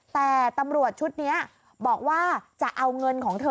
แต่ตำรวจชุดนี้บอกว่าจะเอาเงินของเธอ